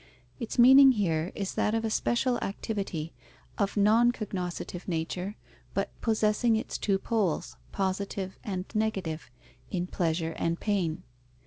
Its meaning here is that of a special activity, of non cognoscitive nature, but possessing its two poles, positive and negative, in pleasure and pain.